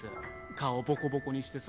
顔ボコボコにしてさ